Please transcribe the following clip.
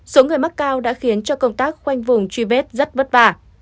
số người mắc cao đã khiến cho công tác khoanh vùng truy vết rất vất vả